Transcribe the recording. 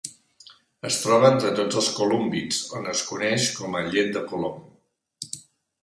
Es troba entre tots els colúmbids on es coneix com a llet de colom.